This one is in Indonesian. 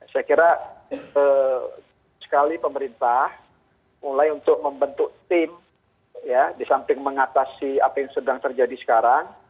saya kira sekali pemerintah mulai untuk membentuk tim ya di samping mengatasi apa yang sedang terjadi sekarang